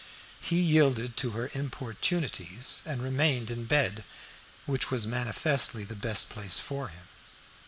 He yielded to her importunities, and remained in bed, which was manifestly the best place for him.